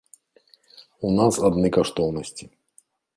У нас адны каштоўнасці.